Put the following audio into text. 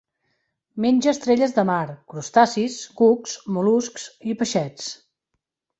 Menja estrelles de mar, crustacis, cucs, mol·luscs i peixets.